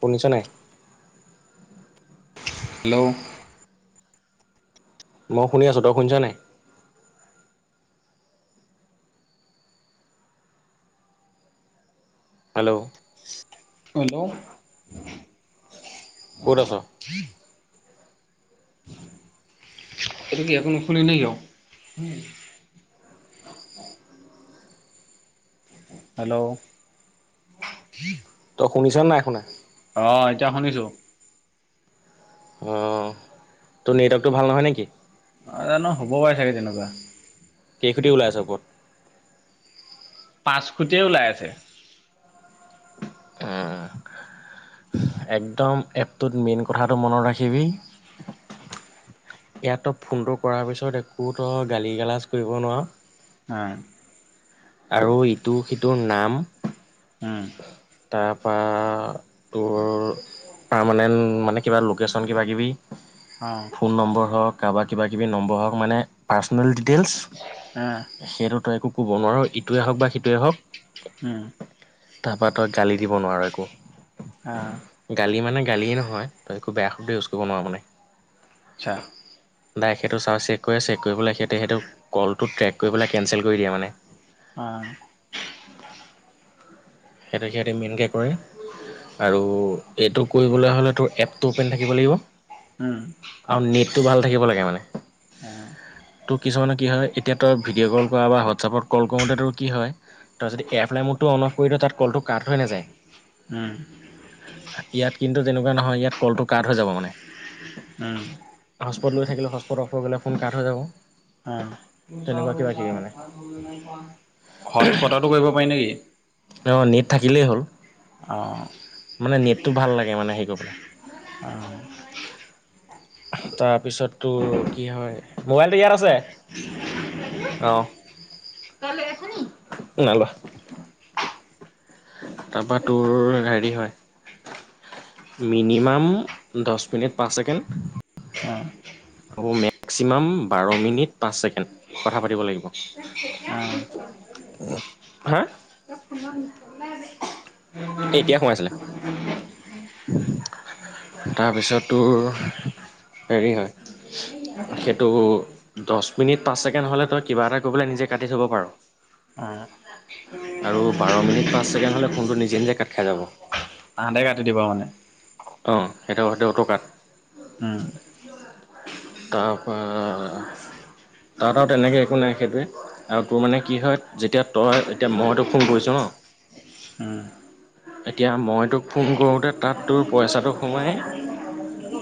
শুনিছ নাই? হেল্ল'? মই শুনি আছো, তই শুনিছ নাই? হেল্ল'? হেল্ল'? ক'ত আছ? এইটো কি, একো নুশুনে নে কি অ। [inaudible] হেল্ল'? তই শুনিছ নাই শুনা? অ এতিয়া শুনিছো। অ 'তোৰ নেটৱৰ্কটো ভাল নহয় নেকি? অ জানো, হ'ব পাৰে চাগে তেনেকুৱা। কেইখুটি ওলাই আছ ওপৰত। পাঁচ খুটিয়ে ওলাই আছে। উম, উম। একদম এপটোত মেইন কথাটো মনত ৰাখিবি। ইয়াত তই ফোনটো কৰাৰ পিছত, একো তই গালি গালাজ কৰিব নোৱাৰ। উম। আৰু ইটো সিটোৰ নাম উম। তাৰপৰা তোৰ, পাৰমানেণ্ট মানে কিবা লোকেশ্যন কিবা কিবি অঁ ফোন নম্বৰ হওক কাৰোবাৰ কিবাকিবি নম্বৰ হওক মানে পাৰ্চনেল ডিটেইলছ উম সেইটো তই একো ক'ব নোৱাৰোঁ ইটোৱে হওক বা সিটোৱে হওক হম তাৰাপা তই গালি দিব নোৱাৰ একো অঁ গালি মানে গালিয়েই নহয় তই একো বেয়া শব্দ ইউজ কৰিব নোৱাৰ মানে আ্ছা ডাইৰেক্ট সেইটো চাওঁ চেক কৰি, চেক কৰি পেলাই সিহঁতে সেইটো, কলটো ট্ৰেক কৰি পেলাই, কেনঞ্চেল কৰি দিয়ে মানে। অ'। সেনেকে সিহঁতে মেইনকৈ কৰে, আৰু এইটো কৰিবলৈ হ'লে তোৰ এপটো অ'পেন থাকিব লাগিব, উম আৰু নেটটো ভাল থাকিব লাগে মানে। অ'। তোৰ কিছুমানৰ কি হ'য়, এতিয়া তই ভিডিঅ' কল কৰা বা হোৱাটছআপত কল কৰোতেতো কি হ'য় তই যদি এয়াৰলাই মডটো অন অফ কৰিলেওঁ, তাত কলটো কাট হৈ নাযায়। হম ইয়াত কিন্তু তেনেকুৱা নহয় ইয়াত কলটো কাাট হৈ যাব মানে উম হস্পট লৈ থাকিলে হস্পটৰওৰ গ'লে ফোন কাঠ হৈ যাব তেনেকুৱা কিবা কিবি মানে হটস্পটো কৰিব পাৰি নেকি অঁ নেট থাকিলেই হ'ল অঁ মানে নেটটো ভাল লাগে মানে হেৰি কৰিবলৈ আৰু তাৰপিছত তোৰ কি হয় মোবাইলটো ইয়াত আছে অ নাল তাৰপৰা তোৰ হাড়ী হয় মিনিমাম দহ মিনিট পাঁচ ছেকেণ্ড অঁ হ'ব মেক্সিমাম বাৰ মিনিট পাঁচ ছেকেণ্ড কথা পাতিব লাগিব অঁ হা এতিয়া সোমাইছিলে তাৰপিছত তোৰ হেৰি হয় সেইটো দহ মিনিট পাঁচ ছেকেণ্ড হ'লে তই কিবা এটা কৰিবাই নিজে কাটি থ'ব পাৰ আহ আৰু বাৰ মিনিট পাঁচ ছেকেণ্ড হ'লে ফোনটো নিজে নিজে কাট খাই যাব তহাঁতে কাটি দিবা মানে অঁ সেইটো সতে অটকাত উম তাৰপ তাতাত আৰু তেনেকে একো নাই সেইটোৱে আৰু তোৰ মানে কি হয় যেতিয়া তই এতিয়া মইতো ফোন কৰিছো ন উম। এতিয়া মই তোক ফোন কৰোঁতে তাত তোৰ পইচাটো সোমাই।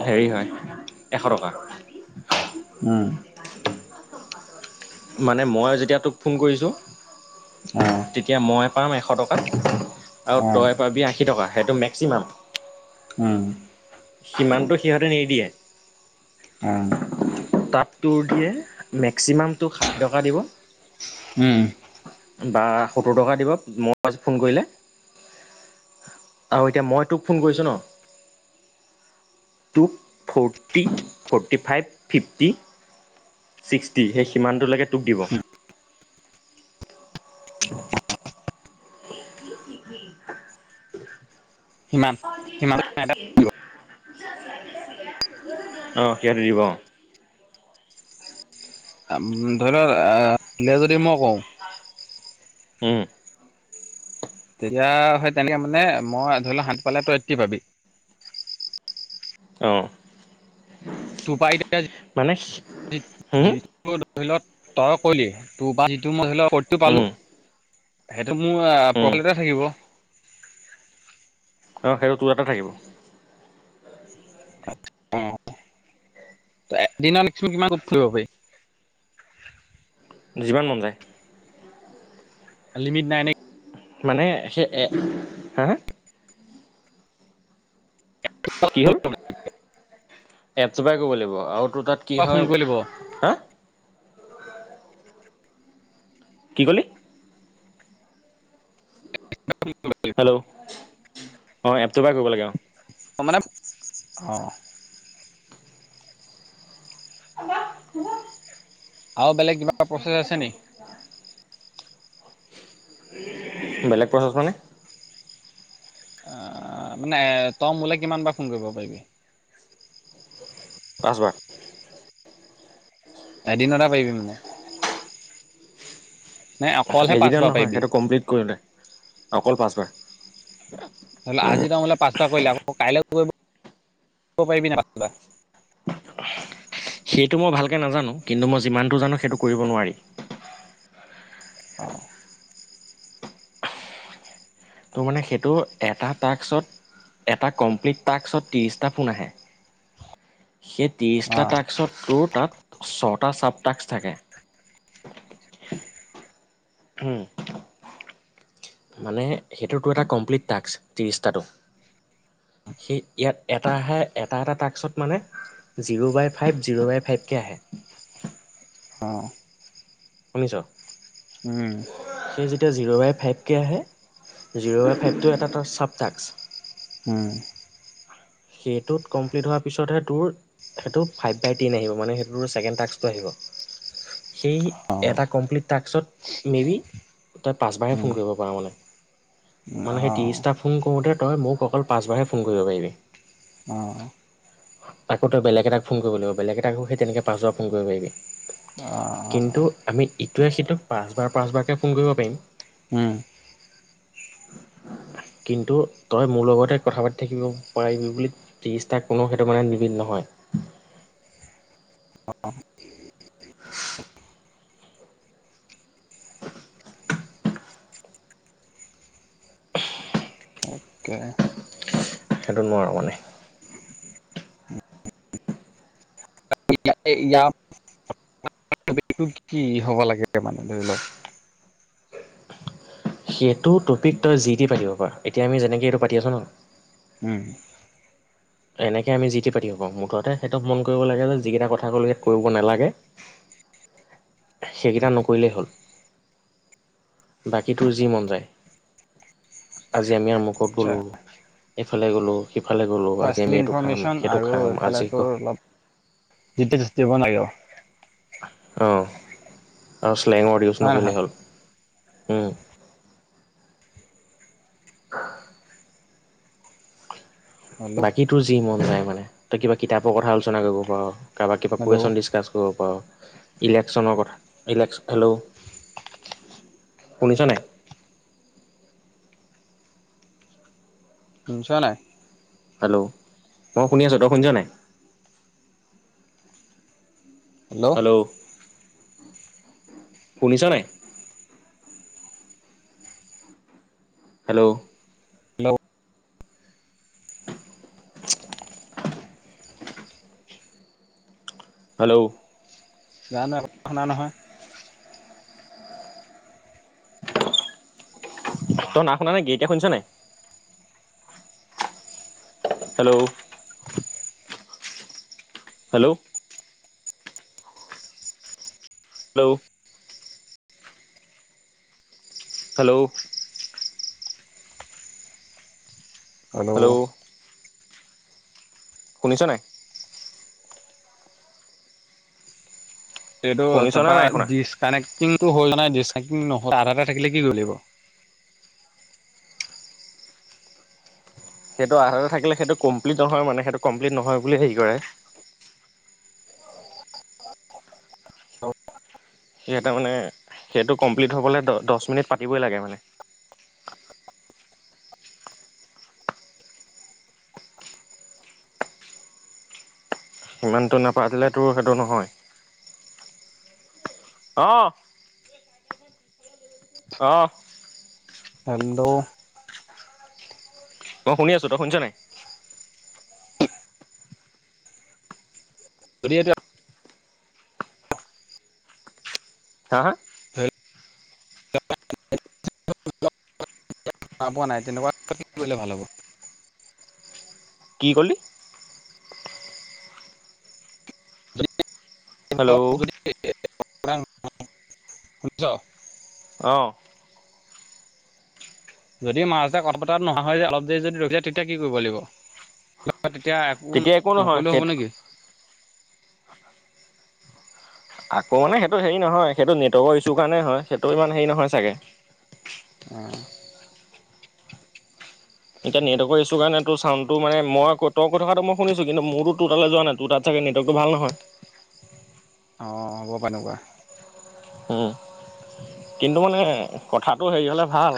হেৰি হয় এশ টকা। উম। মানে মই যেতিয়া তোক ফোন কৰিছোঁ। অঁ তেতিয়া মই পাম এশ টকা। আৰু অঁ তই পাবি আশী টকা সেইটো মেক্সিমাম। উম সিমানটো সিহঁতে নিদিয়ে। অঁ তাত তোৰ দিয়ে মেক্সিমামটো ষাঠি টকা দিব। উম বা সত্তৰ টকা দিব। ম পাছত ফোন কৰিলে। আৰু এতিয়া মই তোক ফোন কৰিছোঁ ন'। তোক forty, forty five, fifty. Sixty সেইষ। কিমানটোৰ লাগে তোক দিব। [inaudible] সিমান সিমানে এটা দিব। অ', সিহঁতে দিব অ', আম ধৰি ল আ, [unintelligible] যদি মই কওঁ। উম। তেতিয়া হয় তেনেকে মানে মই ধৰি ল' সাত পালে তই এইতটি পাবি। অ', তোৰ পাই মানে [unintelligible] হম ধৰি লত তই কলি তোৰ বা যিটো মই ধৰি ল কতটো পালো। উম যে মুৱা উম প্ৰকলিতে থাকিব। অ', সেইটো তোৰ তাতে থাকিব। [inaudible] এক দিনত [unintelligible] পাৰি? যিমান মন যায়। লিমিট নাই নে? মানে সেই এ, হা। কি হ'ল এপছোপাই ক'ৰিব লাগিব। আৰু তোৰ তাত কি কিবা ফোন হয়, কৰি ল'ব হা। কি কলি? [inaudible] অ', এপটোৰ পৰাই কৰিব লাগে অ'। অ', মানে অ'। [inaudible] আৰু বেলেগ কিবা প্ৰচেছ আছে নি? বেলেগ প্ৰচেছ মানে? আ, মানে তই মোলে কিমান বাৰ ফোন কৰিব পাৰিবি? পাঁচবাৰ। এদিনতে পাৰিবি মানে? নে অকলহে এদিনত পাঁচবাৰ নহয় পাৰিবি সেইটো কমপ্লিট কৰিলে। অকল পাঁচবাৰ। ধৰি ল' আজি তই মোলে পাঁচটা কৰিলে আকৌ কাইলৈ কৰিব কৰিব পাৰবি নাই পাঁচটা। সেইটো মই ভালকে নাজানো। কিন্তু মই যিমানটো জানো সেইটো কৰিব নোৱাৰি। অ'। ত' মানে সেইটো এটা টাস্কত এটা কমপ্লিট টাস্কত ত্ৰিশটা ফোন আহে। সেই ত্ৰিছটা ইয়াৰ টাস্কত তোৰ তাত ছটা চাবটাস্ক থাকে। উম, মানে সেইটো তোৰ এটা কমপ্লিট টাস্ক ত্ৰিছটাটো। সেই ইয়াত এটাহে এটা এটা টাস্কত মানে zero by five zero by five কে আহে। অ', শনি ছ'? উম, যেতিয়া জিৰ' বাই ফাইভকে আহে জিৰ' বাই ফাইভটো এটা তোৰ চাবটাস্ক। হুম, সেইটোত কমপ্লিট হোৱাৰ পিছতহে তোৰ সেইটো ফাইভ বাই টেন আহিব মানে সেইটোৰ ছেকেণ্ড টাস্কটো আহিব। সেই এটা কমপ্লিট টাস্কত মে বি তই পাঁচবাৰহে ফোন কৰিব পাৰ' মানে। মানে সেই ত্ৰিশটা ফোন কৰোঁতে তই মোক অকল পাঁচবাৰহে ফোন কৰিব পাৰিবি। আকৌ তই বেলেগ এটাক ফোন কৰিব লাগিব বেলেগ এটাকো সেই তেনেকৈ পাঁছ বাৰ ফোন কৰিব পাৰিবি। কিন্তু আমি ইটোৱে সিটোক পাঁচবাৰ পাঁচবাৰকে ফোন কৰিব পাৰিম। [unintelligible] [inaudible] কিন্তু তই মোৰ লগতে কথা পাতি থাকিব পাৰিবি বুলি ত্ৰিশটা কোনো সেইটো মানে নিবিদ নহয় হয়। [inaudible] তে সেইটো নোৱাৰোঁ মানে য়া এইটো কি হব লাগে মানে ধৰি লওক সেইটো টপিক তই জি টি পাতিব পাৰ এতিয়া আমি যেনেকৈ এইটো পাতি আছ ন'। উম। এনেকে আমি যিতি পাতি থাকওঁ মুঠতে সিহঁতক মন কৰিব লাগে যে যিকেইটা কথা ক ইয়াত কৰিব নালাগে সেইকেইটা নকৰিলেই হ'ল। বাকী তোৰ যি মন যায়। আজি আমি আমুকত আচ্ছা গ'লো এইফালে গ'লো। সিফালে গ'লোঁ আজি পাৰ্চনেল আমি এইটো খাম ইনফৰমেশ্যন সেইটো খাম আজি ক যেতিয়া জষ্ট্ত [unintelligible] হব লাগিব অ', আৰু শ্লেং ৱৰ্দ ইউজ হয় নকৰিলেই নহয় হ'ল। উম। অ [unintelligible] হেল্ল' বাকী তো যি মন যায় মানে, তই কিবা কিতাপৰ কথা আলোচনা কৰিব পাৰ'। কাৰোবাক কিবা হেল্ল' কুৱেশ্যন ডিছকাছ কৰিব পাৰ' ইলেকশ্যনৰ কথা ইলেকশ্যন, হেল্ল'। শুনিছ নাই? শুনিছ নাই? হেল্ল', মই শুনি আছোঁ, তই শুনিছ নাই? হেল্ল', শুনিছা নাই? হেল্ল'। হেল্ল'। হেল্ল'। গ শনা [unintelligible] নহয় তই না শুনা নে কি? এতিয়া শুনিছ নাই? Hello. Hello. Hello. Hello. Hello. শুনিছ নাই? এইটো শুনিছ নে নাই তাৰপৰা শুনা ডিচকানেক্টিংটো হ'ল নে নাই ডিচকানেক্টিং নহ'লে আধাটে থাকিলে কি কৰিব লাগিব? সেইটো আধাতে থাকিলে সেইটো কমপ্লিট নহয় মানে সেইটো কমপ্লিট নহয় বুলি হেৰি কৰে। সিহঁতে মানে সেইটো কমপ্লিট হ'বলৈ দ দশ মিনিট পাতিবই লাগে মানে। [unintelligible] ইমানটো নাপাতিলে তোৰ সেইটো নহয়। অ'। অ'। হেল্ল'। মই শুনি আছো, তই শুনিছ নাই? এতিয়া তই‌ হা হা? [unintelligible] [unintelligible] পোৱা নাই, তেনেকুৱা ক্ষেত্ৰত সিকিবলে ভাল হ'ব। কি ক'লি? [unintelligible] হেল্ল' শছ [unintelligible] অ'। যদি মাজতে কথা পতাত নোহোৱা হয় যে অলপ দেৰি যদি ৰখি যায় তেতিয়া কি কৰিব লাগিব? তেতিয়া তেতিয়া একো নহয় নকৰিলেও হ'ব সেইটো নেকি? আকৌ মানে সেইটো হেৰি নহয় সেইটো নেটৱৰ্কৰ ইছ্যু কাৰণে হয় সেইটো ইমান হেৰি নহয় চাগে। [unintelligible] [unintelligible] এতিয়া নেটৱৰ্কৰ ইছ্যু কাৰণে তোৰ চাউন্ডটো মানে মই তই কই থকোটো মই শুনিছোঁ, কিন্ত মোৰটো তোৰ তালৈ যোৱা নাই তো তাত চাগে নেটৱৰ্কটো ভাল নহয়। অ', হ'ব পাৰে এনেকুৱা। উম, কিন্তু মানে কথাটো হেৰি হ'লে ভাল,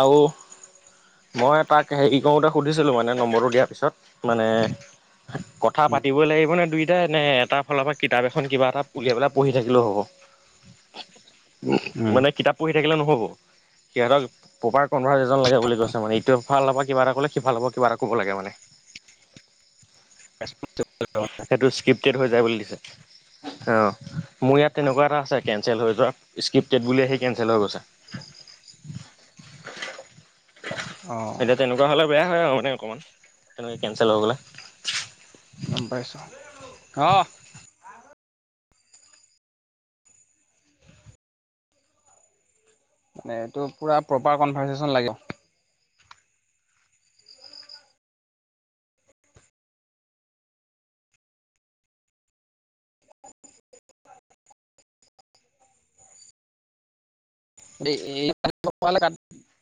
আউ মই তাক হেৰি কওতে সুধিছিলো মানে নম্বৰটো দিয়া পিছত মানে কথা পাতিবই লাগিব নে দুইটাই নে এটাৰ ফালৰ পৰা কিতাপ এখন কিবা এটা উলিয়াই পেলে পঢ়ি থাকিলেও হ'ব? উ মানে কিতাপ পঢ়ি থাকিলে নহব সিহঁতক পপাৰ পোন্ধৰ [unintelligible] লাগে বুলি কৈছে মানে ইটো এফাল পা কিবা এটা কলে সিফাল পা কিবা এটা ক'ব লাগে মানে। সেইটো স্ক্ৰিপ্টেড হৈ যায় বুলি দিছে। অ মোৰ ইয়াত তেনেকুৱা এটা আছে [unintelligible] হৈ যোৱা। স্ক্ৰিপ্টেড বুলি আহি কেনঞ্চেল হৈ গৈছে। অ এতিয়া তেনেকুৱা হ'লে বেয়া হয় আউ মানে অকমান তেনেকে কেঞ্চেল হৈ গ'লে। গম পাইছ? অহ। মানে এইটো পোৰা প্ৰপাৰ কন্ফাৰচেচন লাগে দেই